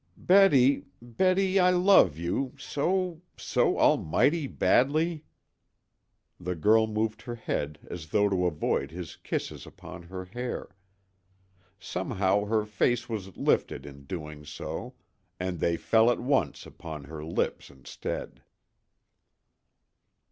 Betty Betty, I love you so so almighty badly." The girl moved her head as though to avoid his kisses upon her hair. Somehow her face was lifted in doing so, and they fell at once upon her lips instead.